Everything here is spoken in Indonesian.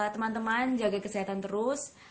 teman teman jaga kesehatan terus